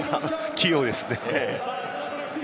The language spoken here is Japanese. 器用ですね。